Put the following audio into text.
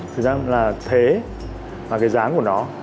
thứ ba là thế và cái dáng của nó